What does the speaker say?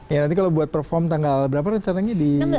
ya nanti kalau buat perform tanggal berapa rencananya di